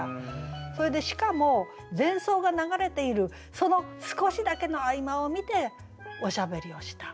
それでしかも前奏が流れているその少しだけの合間を見ておしゃべりをした。